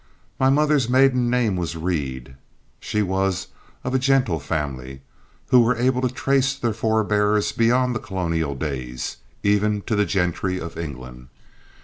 My mother's maiden name was Reed; she was of a gentle family, who were able to trace their forbears beyond the colonial days, even to the gentry of England.